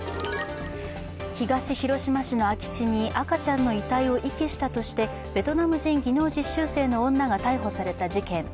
東広島市の空き地に赤ちゃんの遺体を遺棄したとしてベトナム人技能実習生の女が逮捕された事件。